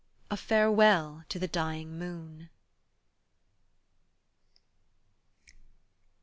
A farewell to the dying moon?